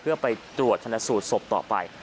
เพื่อไปตรวจชนะสูตรศพต่อไป